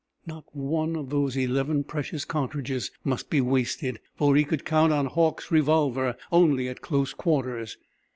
Not one of those eleven precious cartridges must be wasted, for he could count on Hauck's revolver only at close quarters.